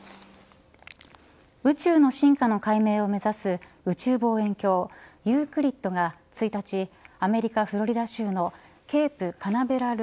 宇宙の進化の解明を目指す宇宙望遠鏡ユークリッドが１日アメリカ、フロリダ州のケープカナベラル